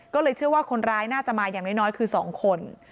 ก็เลยเชื่อว่าคนร้ายน่าจะมาอย่างน้อยคือ๒คน